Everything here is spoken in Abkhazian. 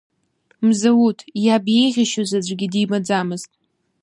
Мзауҭ иаб иеиӷьишьоз аӡәгьы димаӡамызт.